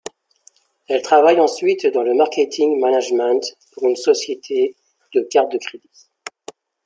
Elle travaille ensuite dans le marketing management pour une société de carte de crédit.